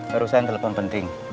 harus saya telepon penting